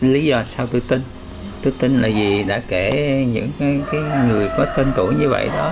lý do sao tôi tin tôi tin là vì đã kể những người có tên tuổi như vậy đó